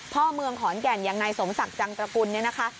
พ่อเมืองขอนแก่นอย่างนายสมศักดิ์จังตระกุลเนี่ยนะคะ